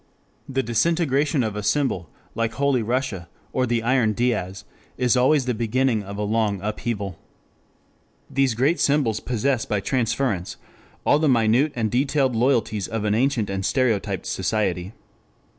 The disintegration of a symbol, like Holy Russia, or the Iron Diaz, is always the beginning of a long upheaval. These great symbols possess by transference all the minute and detailed loyalties of an ancient and stereotyped society.